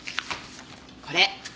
これ。